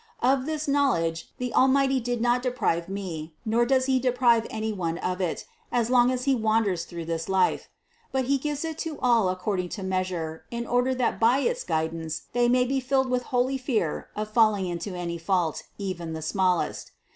Of this knowledge the Almighty did not deprive me, nor does He deprive any one of it, as long as he wanders through this life ; but He gives it to all accord ing to measure, in order that by its guidance they may be filled with holy fear of falling into any fault, even the smallest.